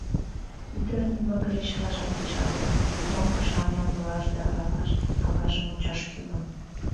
Ӱдырын ӱмбакыже чылажат кечалтын: диплом пашам ямдылаш да аралаш, аважым ончаш кӱлын.